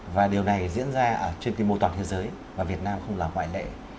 và điều này diễn ra trên tìm mô toàn thế giới và việt nam không làm ngoại lệ